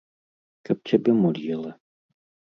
Каб цябе моль ела.